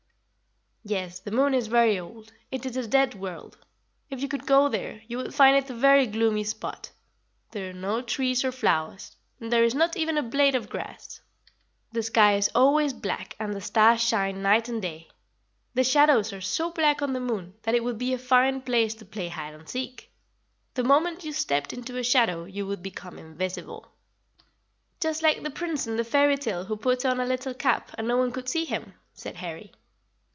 "Yes, the moon is very old; it is a dead world. If you could go there, you would find it a very gloomy spot. There are no trees or flowers; and there is not even a blade of grass. The sky is always black and the stars shine night and day. The shadows are so black on the moon that it would be a fine place to play hide and seek. The moment you stepped into a shadow you would become invisible." [Illustration: SCENERY ON THE MOON.] "Just like the prince in the fairy tale who put on a little cap and no one could see him," said Harry.